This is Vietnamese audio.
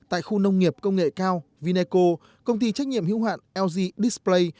tại khu nông nghiệp công nghệ cao vineco công ty trách nhiệm hữu hạn lg display